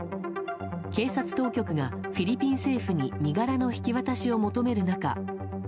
警察当局がフィリピン政府に身柄の引き渡しを求める中